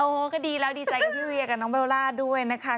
โอ้โหก็ดีแล้วดีใจกับพี่เวียกับน้องเบลล่าด้วยนะคะ